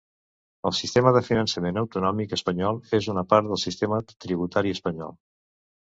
El sistema de finançament autonòmic espanyol és una part del sistema tributari espanyol.